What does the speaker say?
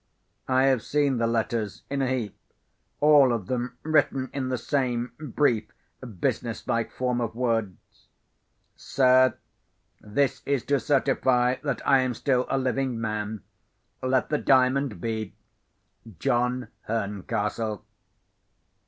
I have seen the letters, in a heap, all of them written in the same brief, business like form of words: 'Sir,—This is to certify that I am still a living man. Let the Diamond be. John Herncastle.